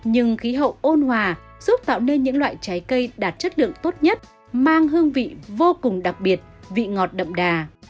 nhưng khí hậu ôn hòa giúp tạo nên những loại trái cây đạt chất lượng tốt nhất mang hương vị vô cùng đặc biệt vị ngọt đậm đà